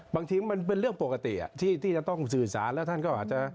บางทีมันเป็นเรื่องปกติที่จะต้องสื่อสารแล้วท่านก็อาจจะ